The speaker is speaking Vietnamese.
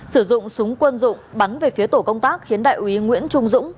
sử dụng súng quân dụng bắn về phía tổ công tác khiến đại úy nguyễn trung dũng